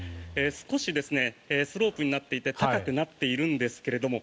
少しスロープになっていて高くなっているんですけれども